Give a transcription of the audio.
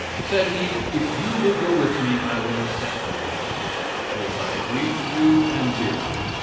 Said he, 'If you will go with me I will accept the mission.' This I agreed to do, and did do.